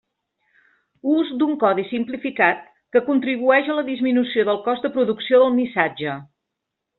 Ús d'un codi simplificat que contribueix a la disminució del cost de producció del missatge.